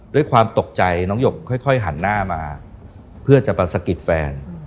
ด้วยความตกใจน้องหยกค่อยหันหน้ามาเพื่อจะมาสะกิดแฟน